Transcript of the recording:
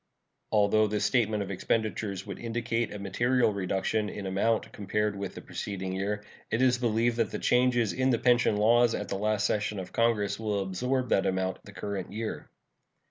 Although this statement of expenditures would indicate a material reduction in amount compared with the preceding year, it is believed that the changes in the pension laws at the last session of Congress will absorb that amount the current year.